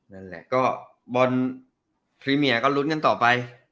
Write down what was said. นั่นแหละก็บอลพรีเมียก็ลุ้นกันต่อไป